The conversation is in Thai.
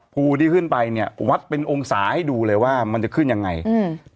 ภูที่ขึ้นไปเนี้ยวัดเป็นองศาให้ดูเลยว่ามันจะขึ้นยังไงอืม